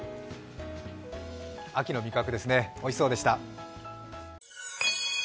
秋の味覚ですね、おいしそうでした。